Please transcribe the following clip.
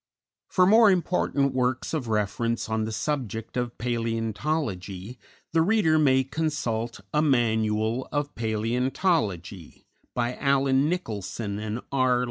_ _For important works of reference on the subject of paleontology, the reader may consult "A Manual of Paleontology," by Alleyne Nicholson and R.